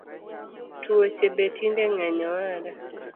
Tuoche betinde ngeny owada